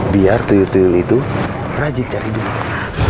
biar tuyul tuyul itu rajin cari dukungan